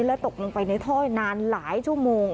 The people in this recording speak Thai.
และตกลงไปในถ้อยนานหลายชั่วโมง